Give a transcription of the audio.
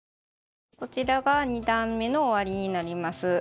こちらが２段めの終わりになります。